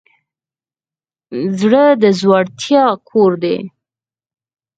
زړه د زړورتیا کور دی.